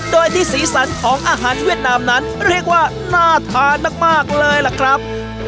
โดยที่สีสันของอาหารเวียดนามนั้นเรียกว่าน่าทานมากเลยล่ะครับ